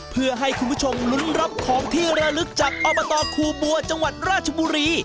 เพื่อให้คุณผู้ชมลุ้นรับของที่ระลึกจากอบตคูบัวจังหวัดราชบุรี